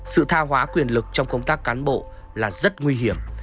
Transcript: sự tha hóa quyền lực trong công tác cán bộ là rất nguy hiểm